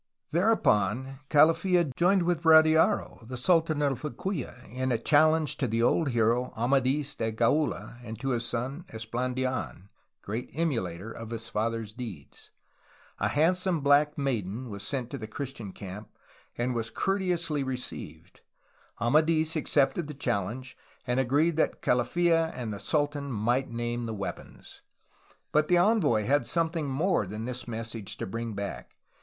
Thereupon Calafla joined with Radiaro, the sultan of Liquia, in a challenge to the old hero Amadls de Gaula and to his son Esplandidn, great emulator of his father's deeds. A "handsome black maiden'' was sent to the Christian camp, and was cour teously received. Amadis accepted the challenge, and agreed that Calaffa and the sultan might name the weapons. But the envoy had something more than this message to bring back.